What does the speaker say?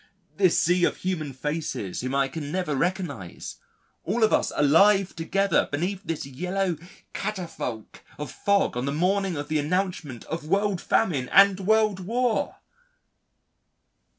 this sea of human faces whom I can never recognise, all of us alive together beneath this yellow catafalque of fog on the morning of the announcement of world famine and world war!...